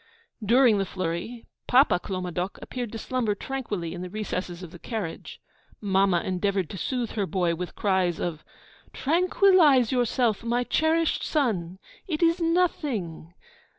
During the flurry, Papa Clomadoc appeared to slumber tranquilly in the recesses of the carriage. Mamma endeavoured to soothe her boy with cries of 'Tranquillize yourself, my cherished son. It is nothing.'